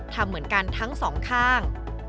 ทำเหมือนกันทั้งสองข้าง